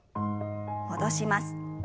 戻します。